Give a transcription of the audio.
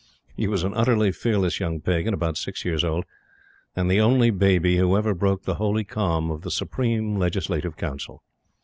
He was an utterly fearless young Pagan, about six years old, and the only baby who ever broke the holy calm of the supreme Legislative Council.